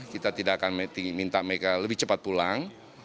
kita tidak akan minta mereka lebih cepat pulang